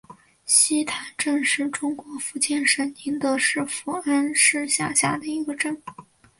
溪潭镇是中国福建省宁德市福安市下辖的一个镇。